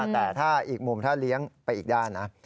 แต่ถ้าอีกมุมถ้าเลี้ยงไปอีกด้านนะ